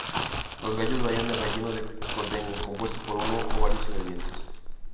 Los gallos varían del relleno que contengan, compuesto por uno o varios ingredientes.